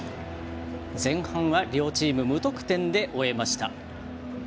前半は両チーム無得点で終えました。